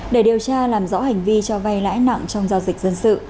để điều tra làm rõ hành vi cho vay lãi nặng trong giao dịch dân sự